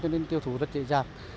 cho nên tiêu thủ rất dễ dàng